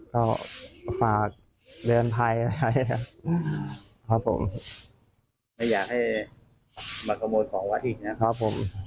ก็ฝากเรือนไพ่มาให้ครับ